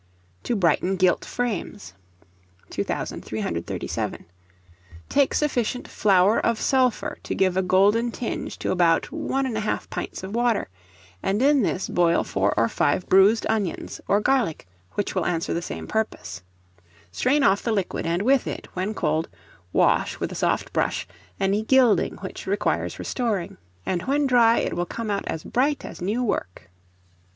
To brighten Gilt Frames. 2337. Take sufficient flour of sulphur to give a golden tinge to about 1 1/2 pint of water, and in this boil 4 or 5 bruised onions, or garlic, which will answer the same purpose. Strain off the liquid, and with it, when cold, wash, with a soft brush, any gilding which requires restoring, and when dry it will come out as bright as new work.